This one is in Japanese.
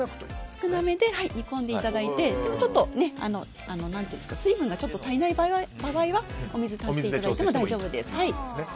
少なめで煮込んでいただいてでも、水分が足りない場合はお水を足していただいても大丈夫です。